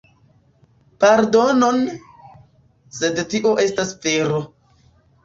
Pardonon, sed tio estas vero.